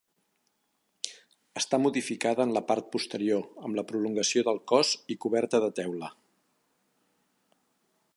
Està modificada en la part posterior amb la prolongació del cos i coberta de teula.